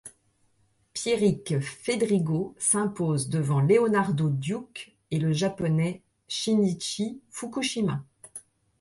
Pierrick Fédrigo s'impose devant Leonardo Duque et le Japonais Shinichi Fukushima.